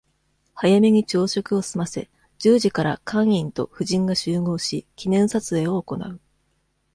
早めに朝食を済ませ、十時から、館員と夫人が集合し、記念撮影を行う。